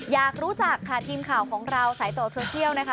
อยากรู้จักค่ะทีมข่าวของเราไซโตเทอร์เที่ยวนะคะ